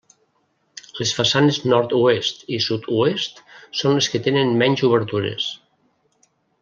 Les façanes nord-oest i sud-oest són les que tenen menys obertures.